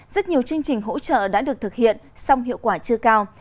rất nhiều chương trình hỗ trợ đã được thực hiện song hiệu quả chưa cao